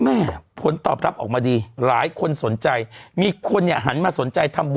ผลตอบรับออกมาดีหลายคนสนใจมีคนเนี่ยหันมาสนใจทำบุญ